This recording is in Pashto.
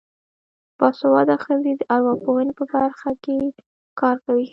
باسواده ښځې د ارواپوهنې په برخه کې کار کوي.